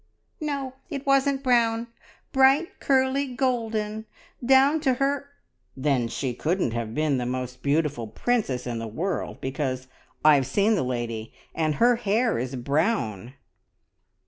"No, it wasn't brown. Bright, curly, golden, down to her " "Then she couldn't have been the most beautiful princess in the world, because I've seen the lady and her hair is brown."